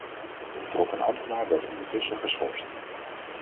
De betrokken ambtenaar werd ondertussen geschorst.